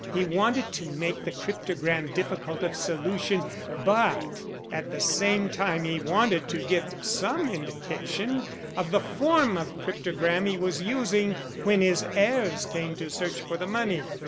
He wanted to make the cryptogram difficult of solution, but at the same time he wanted to give some indication of the form of cryptogram he was using when his heirs came to search for the money.